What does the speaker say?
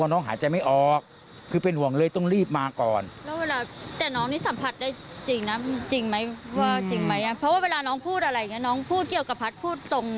น้องพูดเกี่ยวกับพัฒน์พูดตรง